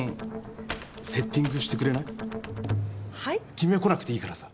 君は来なくていいからさ。